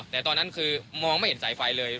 แต่ตอนนั้นคือมองไม่เห็นสายไฟเลย